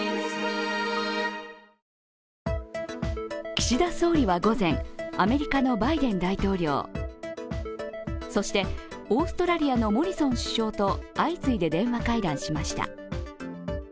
岸田総理は午前、アメリカのバイデン大統領そしてオーストラリアのモリソン首相と相次いで電話会談しました。